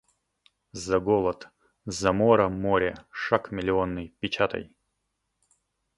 За голод, за мора море шаг миллионный печатай!